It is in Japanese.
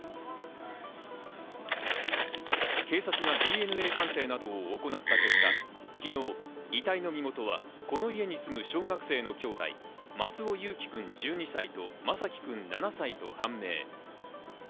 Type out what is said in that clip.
警察がＤＮＡ鑑定などを行った結果、昨日、遺体の身元はこの家に住む小学生の兄弟、松尾侑城くん１２歳と眞輝くん７歳と判明。